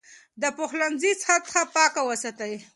د پخلنځي سطحه پاکه وساتئ.